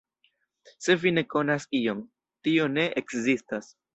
Se vi ne konas ion, tio ne ekzistas.